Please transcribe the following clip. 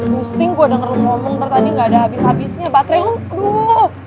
pusing gue denger lo ngomong tadi gak ada habis habisnya baterai lo kduuh